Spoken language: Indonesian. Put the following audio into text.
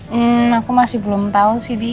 hmm aku masih belum tau sih di